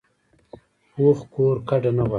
پوخ کور کډه نه غواړي